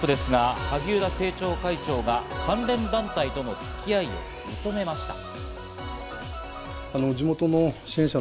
萩生田政調会長が関連団体との付き合いを認めました。